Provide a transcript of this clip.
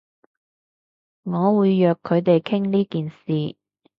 我會約佢哋傾呢件事